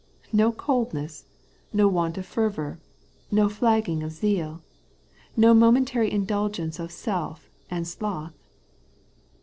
no coldness, no want of fervour, no flagging of zeal, no momentary indulgence of self and sloth